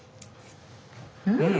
うん！